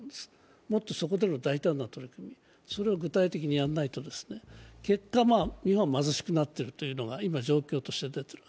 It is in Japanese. もっとそこでの大胆な取り組みを具体的にやらないと結果、日本は貧しくなっているというのが、今、状況として出ている。